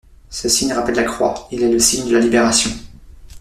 Ce signe rappelle la Croix, il est le signe de la libération.